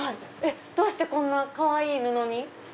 どうしてこんなかわいい布に？